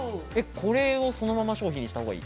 これをそのまま商品にしたほうがいい。